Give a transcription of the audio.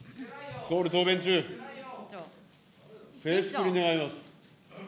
総理答弁中、静粛に願います。